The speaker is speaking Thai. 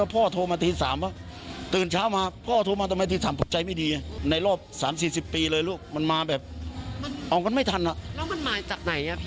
อ่ะไปฟังพี่บ่าวเวียสยามกันค่ะ